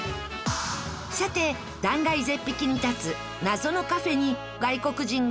さて断崖絶壁に立つ謎のカフェに外国人が訪れていましたが。